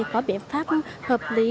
có biện pháp hợp lý